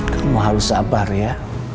kamu harus sabar ya